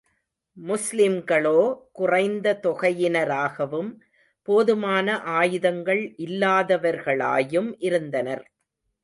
முஸ்லிம்களோ, குறைந்த தொகையினராகவும், போதுமான ஆயுதங்கள் இல்லாதவர்களாயும் இருந்தனர்.